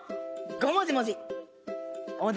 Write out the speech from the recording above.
ごもじもじ！